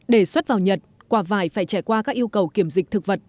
để xuất vào nhật quả vải phải trải qua các yêu cầu kiểm dịch thực vật